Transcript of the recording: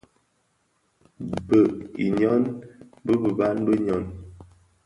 Bëug i nyôn, di biban bi nyôn.